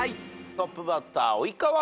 トップバッター及川ペア。